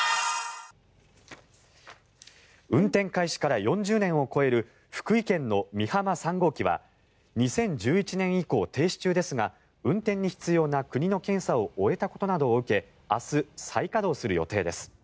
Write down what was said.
運転開始から４０年を超える福井県の美浜３号機は２０１１年以降停止中ですが運転に必要な国の検査を終えたことなどを受け明日、再稼働する予定です。